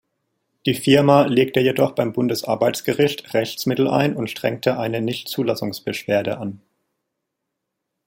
Die Firma legte jedoch beim Bundesarbeitsgericht Rechtsmittel ein und strengte ein „Nichtzulassungsbeschwerde“ an.